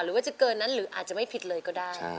ว่าจะเกินนั้นหรืออาจจะไม่ผิดเลยก็ได้